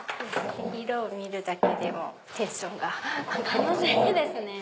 色を見るだけでもテンションが上がりますよね。